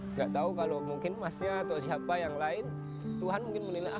nggak tahu kalau mungkin emasnya atau siapa yang lain tuhan mungkin menilai